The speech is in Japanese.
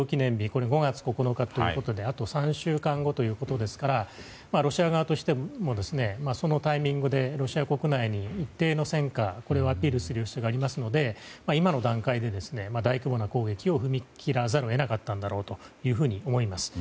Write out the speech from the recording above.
これは５月９日ということであと３週間後ということですからロシア側としてもそのタイミングでロシア国内に一定の戦果をアピールする必要がありますので今の段階で、大規模な攻撃に踏み切らざるを得なかったんだろうと思います。